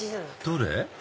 どれ？